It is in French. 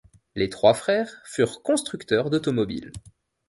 Les trois frères furent constructeurs d'automobiles.